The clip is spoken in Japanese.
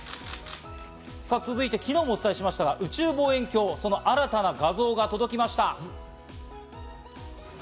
続いて昨日もお伝えしましたが宇宙望遠鏡、その新たな画像が届きました。